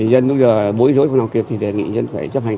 dân bây giờ bối rối không làm kịp thì đề nghị dân phải chấp hành